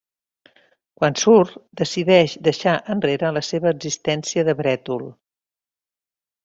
Quan surt, decideix deixar enrere la seva existència de brètol.